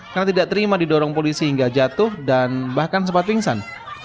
karena tidak terima didorong polisi hingga jatuh dan bahkan sempat pingsan